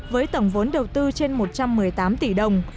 với tổng vốn đầu tư trên một trăm một mươi tám tỷ đồng